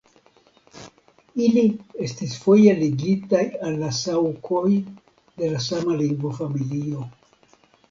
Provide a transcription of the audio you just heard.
Ili estis foje ligitaj al la Saŭkoj de la sama lingvofamilio.